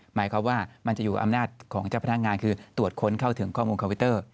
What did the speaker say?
หมายความว่ามันจะอยู่อำนาจของเจ้าพนักงานคือตรวจค้นเข้าถึงข้อมูลคอมพิวเตอร์